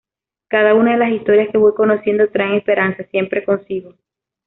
Cada una de las historias que voy conociendo, traen esperanza siempre consigo.